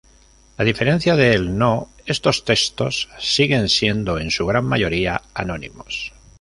A diferencia del nō, estos textos siguen siendo en su gran mayoría anónimos.